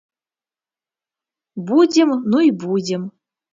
Будзем, ну й будзем.